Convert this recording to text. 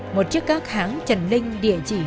một chiếc cát hãng trần linh địa chỉ